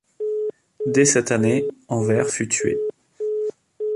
Dès cette année, Enver fut tué.